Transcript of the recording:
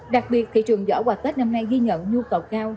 đặc biệt thị trường giỏ quà tết năm nay ghi nhận nhu cầu cao